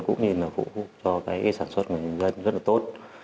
cũng như phục vụ cho sản xuất của nhân dân rất là tốt